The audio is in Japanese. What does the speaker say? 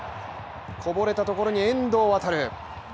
こぼれたところに遠藤航。